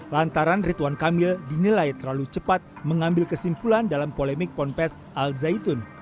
lantaran rituan kamil dinilai terlalu cepat mengambil kesimpulan dalam polemik ponpes al zaitun